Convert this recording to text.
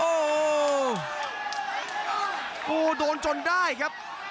โอ้โหเดือดจริงครับ